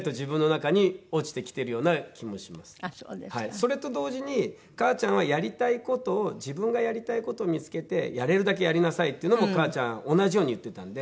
それと同時に母ちゃんはやりたい事を「自分がやりたい事を見つけてやれるだけやりなさい」っていうのも母ちゃん同じように言ってたんで。